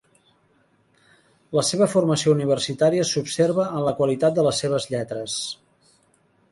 La seva formació universitària s'observa en la qualitat de les seves lletres.